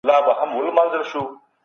کليشه يي کتابونه ولې خلګ نه لولي؟